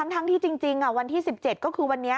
ทั้งที่จริงวันที่๑๗ก็คือวันนี้